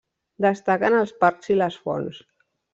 Destaquen els parcs i les fonts.